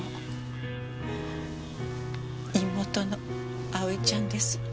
妹の蒼ちゃんです。